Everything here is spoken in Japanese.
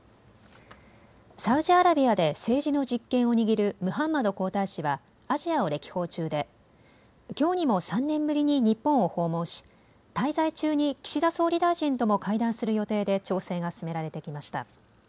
サウジアラビアで政治の実権を握るムハンマド皇太子はアジアを歴訪中できょうにも３年ぶりに日本を訪問し滞在中に岸田総理大臣とも会談する予定で調整が進められてきました。